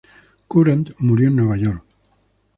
Courant murió en Nueva York.